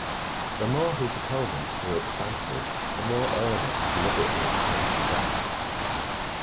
The more his opponents grew excited, the more Ernest deliberately excited them.